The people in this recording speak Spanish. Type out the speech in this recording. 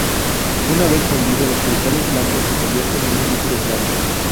Una vez fundido, los cristales blancos se convierten en un líquido claro.